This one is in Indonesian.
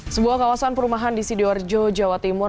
sebuah kawasan perumahan di sidoarjo jawa timur